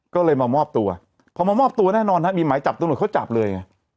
ก็เลยมามอบตัวพอมามอบตัวแน่นอนฮะมีหมายจับตำรวจเขาจับเลยไง